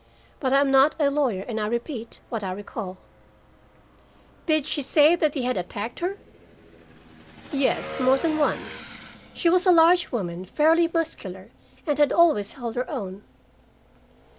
But I am not a lawyer, and I repeat what I recall. "Did she say that he had attacked her?" "Yes, more than once. She was a large woman, fairly muscular, and had always held her own."